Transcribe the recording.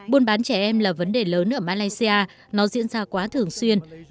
buôn bán trẻ em là vấn đề lớn ở malaysia nó diễn ra quá thường xuyên